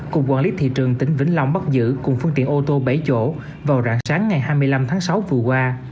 cục quản lý thị trường tỉnh vĩnh long bắt giữ cùng phương tiện ô tô bảy chỗ vào rạng sáng ngày hai mươi năm tháng sáu vừa qua